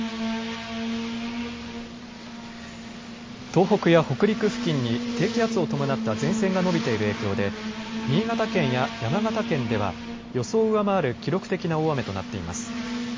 東北や北陸付近に低気圧を伴った前線が延びている影響で新潟県や山形県では予想を上回る記録的な大雨となっています。